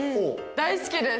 大好きです。